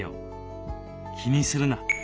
気にするな。